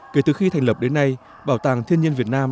kể từ khi thành lập đến nay bảo tàng thiên nhiên việt nam